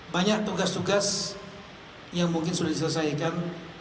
banyak tugas tugas yang mungkin sudah diselesaikan